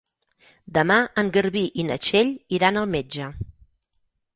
Demà en Garbí i na Txell iran al metge.